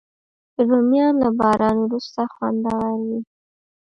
رومیان له باران وروسته خوندور وي